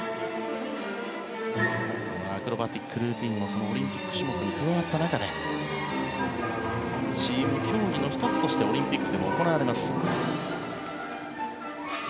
アクロバティックルーティンもオリンピック種目に加わった中でチーム競技の１つとしてオリンピックでも行われます。